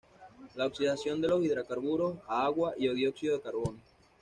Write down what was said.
La oxidación de los hidrocarburos a agua y dióxido de carbono.